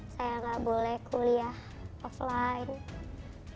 saya nggak boleh kuliah offline